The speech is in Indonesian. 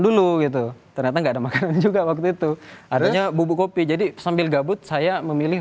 dulu gitu ternyata enggak ada makanan juga waktu itu adanya bubuk kopi jadi sambil gabut saya memilih